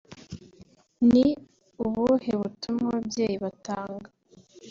ni ubuhe butumwa ababyeyi batanga